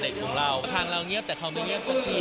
ใจทางเรารู้สึกเงียบแต่เขาเป็นเงียบสักที